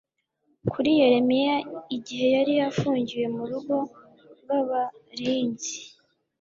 kuri yeremiya igihe yari afungiwe mu rugo rw abarinzi